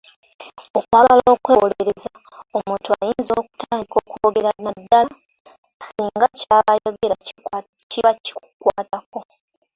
Okwagala okwewolereza omuntu ayinza okutandika okwogera naddala singa ky’aba ayogerako kiba kikukwatako.